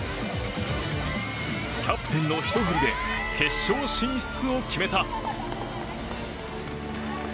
キャプテンのひと振りで決勝進出を決めた。